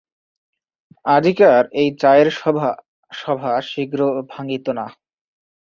আজিকার এই চায়ের সভা শীঘ্র ভাঙিত না।